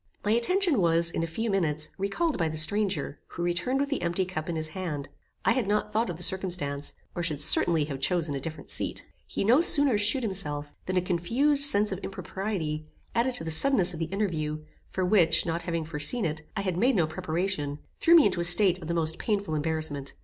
My attention was, in a few minutes, recalled by the stranger, who returned with the empty cup in his hand. I had not thought of the circumstance, or should certainly have chosen a different seat. He no sooner shewed himself, than a confused sense of impropriety, added to the suddenness of the interview, for which, not having foreseen it, I had made no preparation, threw me into a state of the most painful embarrassment.